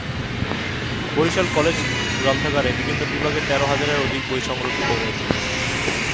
Barishal college গ্রন্থাগারে বিভিন্ন বিভাগের তের হাজারের অধিক বই সংরক্ষিত রয়েছে।